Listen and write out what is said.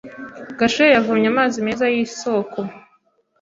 Gashuhe yavomye amazi meza yisoko.